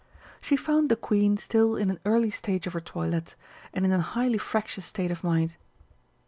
She found the Queen still in an early stage of her toilette and in a highly fractious state of mind.